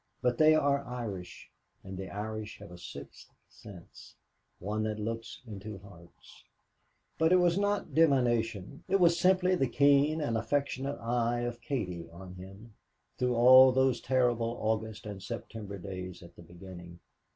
But they are Irish, and the Irish have a sixth sense one that looks into hearts. But it was not divination, it was simply the keen and affectionate eye of Katie on him through all those terrible August and September days at the beginning.